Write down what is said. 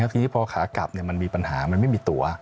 ทีนี้พอขากลับมันมีปัญหามันไม่มีตัว